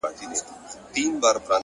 ښه نوم په کلونو جوړیږي